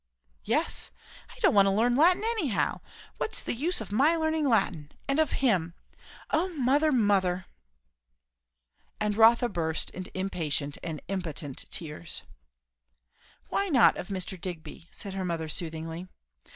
"Yes! I don't want to learn Latin anyhow. What's the use of my learning Latin? And of him, O mother, mother!" And Rotha burst into impatient and impotent tears. "Why not of Mr. Digby?" said her mother soothingly.